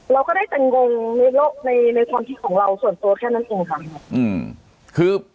เราก็ได้จันกงในโลกในความที่ของเราส่วนตัวแค่นั้นอีกครับ